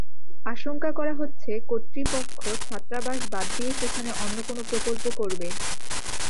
আশঙ্কা করা হচ্ছে, কর্তৃপক্ষ ছাত্রাবাস বাদ দিয়ে সেখানে অন্য কোনো প্রকল্প করবে।